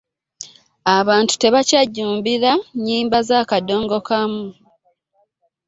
abantu tebakyajjumbira nnyimba za kadongo kamu.